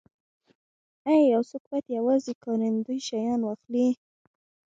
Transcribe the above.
ایا یو څوک باید یوازې کاریدونکي شیان واخلي